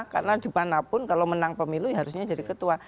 karena dimanapun kalau menang pemilu harusnya jadi ketua